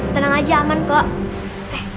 tenang aja aman kalau ada